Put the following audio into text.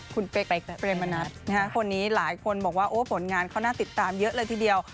คุณเป๊กเปรมนัดคนนี้หลายคนบอกว่าโอ้ผลงานเขาน่าติดตามเยอะเลยทีเดียว